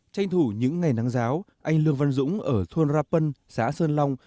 tranh thủ những ngày nắng giáo anh lương văn dũng ở thôn rapân xã sơn long